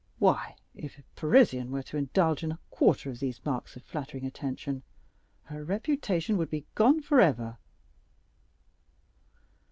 Why, if a Parisian were to indulge in a quarter of these marks of flattering attention, her reputation would be gone forever."